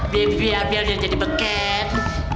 biar biar biar dia jadi beket